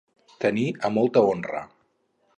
Tenir a molta honra.